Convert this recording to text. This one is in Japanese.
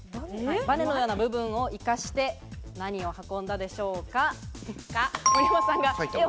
バネのような部分を生かして何を運んだでしょうか？